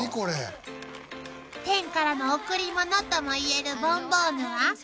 ［天からの贈り物とも言えるボンボーヌは］